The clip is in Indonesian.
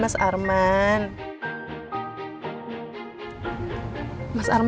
mas arman tuh bagus loh suaranya